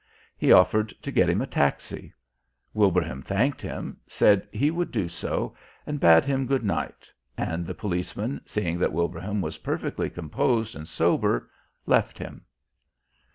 He offered to get him a taxi. Wilbraham thanked him, said he would do so, and bade him good night, and the policeman, seeing that Wilbraham was perfectly composed and sober, left him.